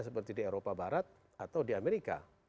seperti di eropa barat atau di amerika